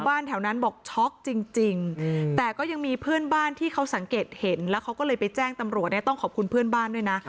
แถวนั้นบอกช็อกจริงแต่ก็ยังมีเพื่อนบ้านที่เขาสังเกตเห็นแล้วเขาก็เลยไปแจ้งตำรวจเนี่ยต้องขอบคุณเพื่อนบ้านด้วยนะ